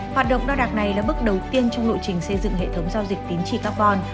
hoạt động đo đạc này là bước đầu tiên trong lộ trình xây dựng hệ thống giao dịch tín trị carbon